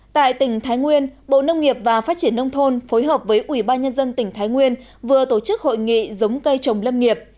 tại tỉnh thái nguyên bộ nông nghiệp và phát triển nông thôn phối hợp với ubnd tỉnh thái nguyên vừa tổ chức hội nghị giống cây trồng lâm nghiệp